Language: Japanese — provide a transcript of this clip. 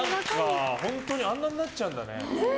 あんなになっちゃうんだね。